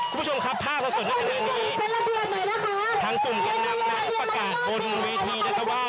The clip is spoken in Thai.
คุณผู้ชมครับภาพสดสดในเรื่องนี้ทั้งกลุ่มแกนนำนั้นประกาศบนเวทีนะคะว่า